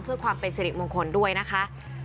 เพื่อความเป็นสิริมงคลด้วยนะคะ